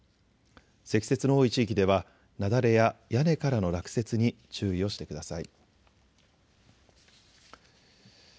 積雪の多い地域では雪崩や屋根からの落雪に注意をしてください。